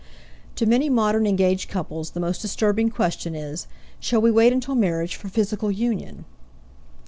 To many modern engaged couples the most disturbing question is, "Shall we wait until marriage for physical union?"